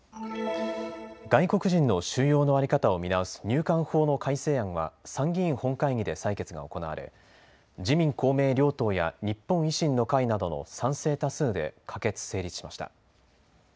外国人の収容の在り方を見直す入管法の改正案は参議院本会議で採決が行われ自民公明両党や日本維新の会などの賛成多数で可決・成立しました。